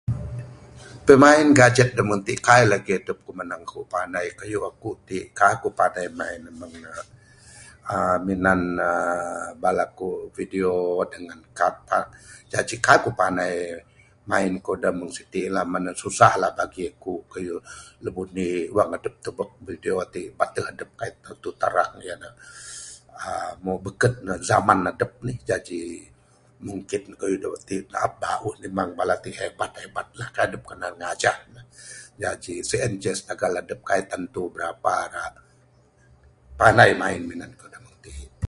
Pemain gaget dak mung tik, kai' lagi' adup kuk manang adup kuk pandai kayuh akuk tik kai kuk pandai mung ne uhh minan uhh bala ku video dengan kad kad. Jaji kai' kuk pandai main ku da mung siti' lah. Memang susah lah bagi kuk kayuh lombor indi', wang adup tebuk video tik, batuh adup kaik tantu terang ya ne uhh. Moh bekun ne zaman adup nih. Jaji, mungkin tik da taap bauh. Memang bala tik hebat hebat lah. Kai' dup kanan ngajah ne. Jaji sien ceh sitagal adup kai' tantu berapa rak pandai main minan kayuh da mung ti'.